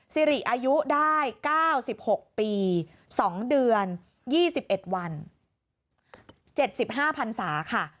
สิริอายุได้๙๖ปี๒เดือน๒๑วัน๗๕พันศาค่ะ